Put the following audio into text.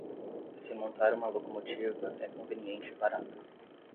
Se montar uma locomotiva é conveniente e barato